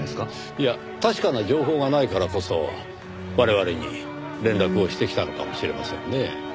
いや確かな情報がないからこそ我々に連絡をしてきたのかもしれませんねぇ。